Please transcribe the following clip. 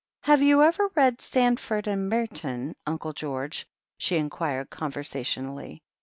"Have you ever read 'Sandford and Merton,' Unde George?" she inquired conversationally.